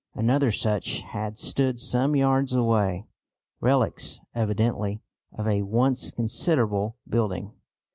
Another such had stood some yards away, relics evidently of a once considerable building.